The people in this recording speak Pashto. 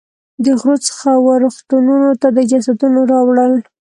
د غرو څخه وه رغتونونو ته د جسدونو راوړل.